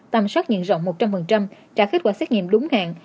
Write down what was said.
tạm soát nhiệm rộng một trăm linh trả kết quả xét nghiệm đúng hạn